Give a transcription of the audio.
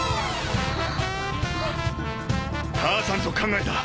母さんと考えた。